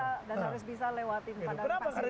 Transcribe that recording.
dan harus bisa lewatin padang pasir